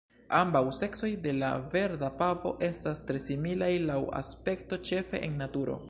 Ambaŭ seksoj de la Verda pavo estas tre similaj laŭ aspekto, ĉefe en naturo.